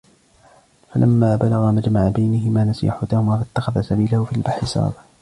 فَلَمَّا بَلَغَا مَجْمَعَ بَيْنِهِمَا نَسِيَا حُوتَهُمَا فَاتَّخَذَ سَبِيلَهُ فِي الْبَحْرِ سَرَبًا